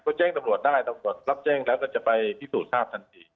ก็แจ้งตำรวจได้ตำรวจรับแจ้งแล้วก็จะไปพิสูจน์ทราบทันที